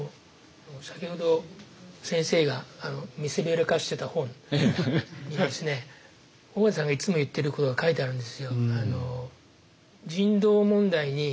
先ほど先生が見せびらかしてた本に緒方さんがいつも言ってることが書いてあるんですよ。